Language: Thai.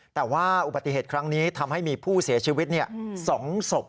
แต่ว่าอุบัติเหตุครั้งนี้ทำให้มีผู้เสียชีวิต๒ศพ